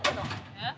えっ？